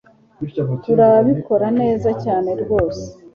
turabikora neza cyane ryose